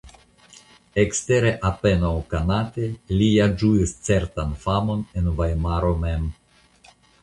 Ekstere apenaŭ konate li ja ĝuis certan famon en Vajmaro mem.